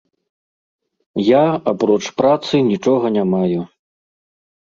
Я апроч працы нічога не маю.